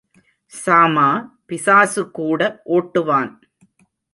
சாமா பிசாசு கூட ஓட்டுவான்.